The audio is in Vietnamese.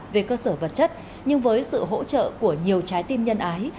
về cơ sở vật chất nhưng với sự hỗ trợ của nhiều trái tim nhân ái